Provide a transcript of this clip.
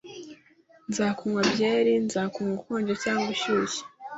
nzakunywa byeri nzakunywa ukonje cg ushyushye